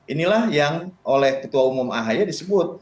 inilah yang oleh ketua umum ahi disebut